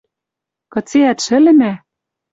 Кыцеӓт шӹлӹмӓ!..